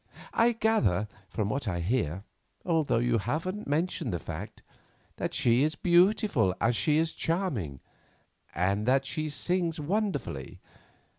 I gather from what I hear—although you haven't mentioned the fact—that she is as beautiful as she is charming, and that she sings wonderfully.